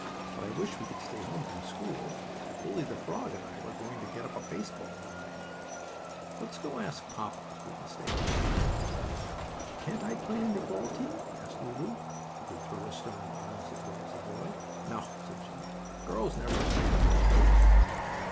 "But I wish we could stay home from school. Bully, the frog, and I were going to get up a baseball nine. Let's go ask papa if we can stay home." "Can't I play on your ball team?" asked Lulu, who could throw a stone almost as well as a boy. "No," said Jimmie. "Girls never play on ball teams."